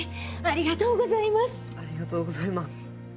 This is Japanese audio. ありがとうございます。